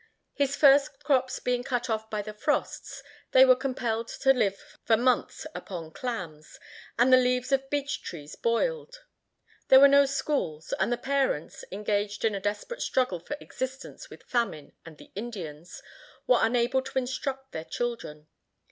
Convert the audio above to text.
His first crops being cut off by the frosts, they were compelled to live for months upon clams, and the leaves of beech trees boiled. There were no schools; and the parents, engaged in a desperate struggle for existence with famine and the Indians, were unable to instruct their children.